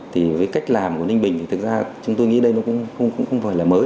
thì với cách làm của ninh bình thì thực ra chúng tôi nghĩ đây nó cũng không phải là mới